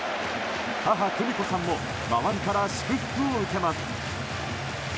母・久美子さんも周りから祝福を受けます。